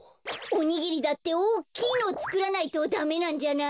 おにぎりだっておっきいのをつくらないとダメなんじゃない？